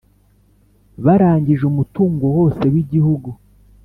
barangije umutungo wose wigihugu.